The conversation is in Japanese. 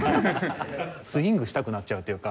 スイングしたくなっちゃうというか。